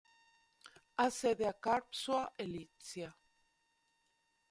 Ha sede a Karlsruhe e Lipsia.